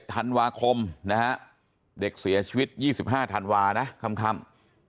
ธันวาคมนะฮะเด็กเสียชีวิต๒๕ธันวานะค่ำ